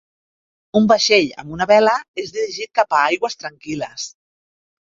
Un vaixell amb una vela és dirigit cap a aigües tranquil·les.